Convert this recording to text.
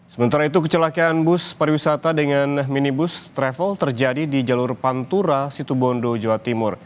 sementara itu kecelakaan bus pariwisata dengan minibus travel terjadi di jalur pantura situbondo jawa timur